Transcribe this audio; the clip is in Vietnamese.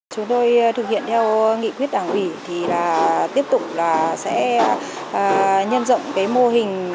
chúng tôi thực hiện theo nghị quyết đảng ủy thì là tiếp tục là sẽ nhân rộng cái mô hình